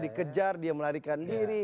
dikejar dia melarikan diri